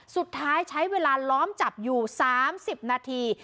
สุดท้ายใช้เวลาล้อมจับอยู่๓๐นาที